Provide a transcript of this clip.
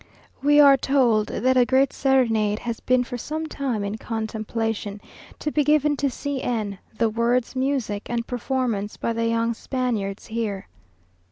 We are told that a great serenade has been for some time in contemplation, to be given to C n, the words, music, and performance by the young Spaniards here.